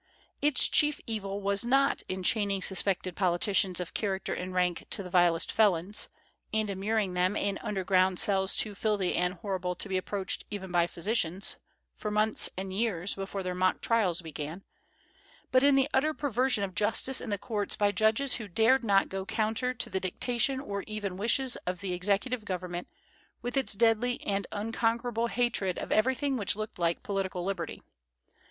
Its chief evil was not in chaining suspected politicians of character and rank to the vilest felons, and immuring them in underground cells too filthy and horrible to be approached even by physicians, for months and years before their mock trials began, but in the utter perversion of justice in the courts by judges who dared not go counter to the dictation or even wishes of the executive government with its deadly and unconquerable hatred of everything which looked like political liberty.